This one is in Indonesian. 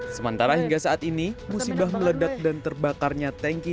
sementara hingga saat ini musibah meledak dan terbakarnya tanki